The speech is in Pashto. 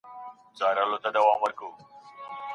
ذهن د ژوند لپاره مهم دی.